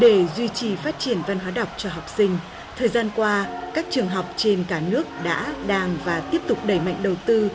để duy trì phát triển văn hóa đọc cho học sinh thời gian qua các trường học trên cả nước đã đang và tiếp tục đẩy mạnh đầu tư